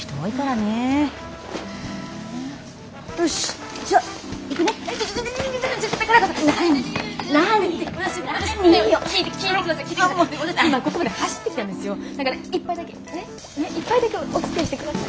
ねっ１杯だけおつきあいして下さい。